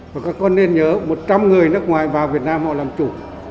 và các con nên nhớ một trăm linh người nước ngoài vào việt nam họ làm chủ